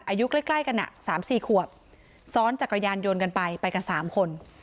อายุใกล้ใกล้กันอ่ะสามสี่ขวบซ้อนจักรยานยนต์กันไปไปกันสามคน